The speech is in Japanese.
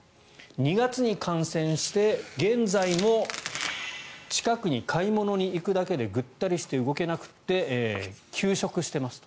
２月に感染して現在も近くに買い物に行くだけでぐったりして動けなくて休職してますと。